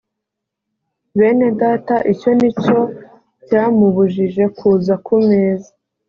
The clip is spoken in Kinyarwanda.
bene data icyo ni cyo cyamubujije kuza ku meza